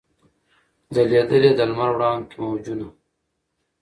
ځلېدل یې د لمر وړانګو کي موجونه